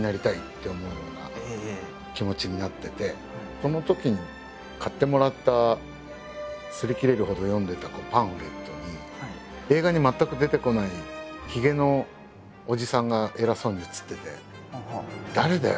このときに買ってもらったすり切れるほど読んでたパンフレットに映画に全く出てこないひげのおじさんが偉そうに写ってて誰だよ？